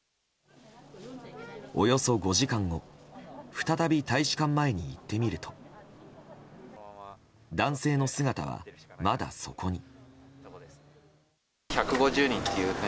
およそ５時間後再び大使館前に行ってみると男性の姿はまだそこに。